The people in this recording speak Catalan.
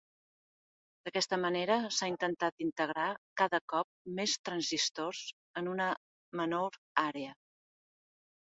D'aquesta manera, s'ha intentat integrar cada cop més transistors en una menor àrea.